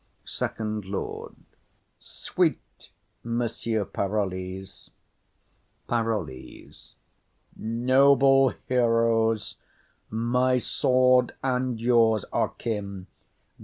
SECOND LORD. Sweet Monsieur Parolles! PAROLLES. Noble heroes, my sword and yours are kin.